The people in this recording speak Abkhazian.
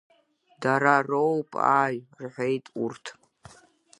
Дара роуп, ааи, — рҳәеит урҭ.